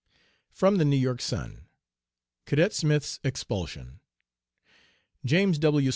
(From the New York Sun.) CADET SMITH'S EXPULSION. "James W.